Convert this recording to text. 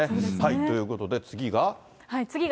ということで、次が。